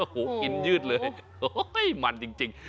โหอิ่นยืดเลยมันจริง